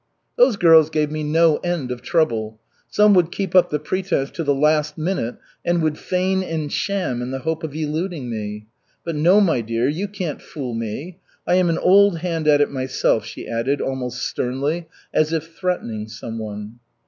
"Those girls gave me no end of trouble. Some would keep up the pretense to the last minute, and would feign and sham in the hope of eluding me. But no, my dear, you can't fool me. I am an old hand at it myself," she added almost sternly, as if threatening some one.